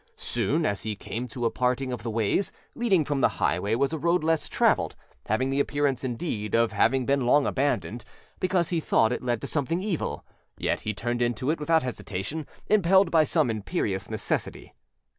Soon he came to a parting of the ways; leading from the highway was a road less traveled, having the appearance, indeed, of having been long abandoned, because, he thought, it led to something evil; yet he turned into it without hesitation, impelled by some imperious necessity.